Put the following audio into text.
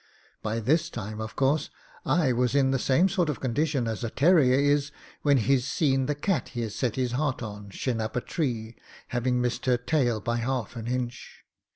By this time, of course, I was in the same sort of condition as a terrier is when he's seen the cat he has set his heart on shin up a tree, having missed her tail by half an inch.